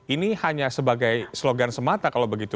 ini hanya sebagai slogan semata kalau begitu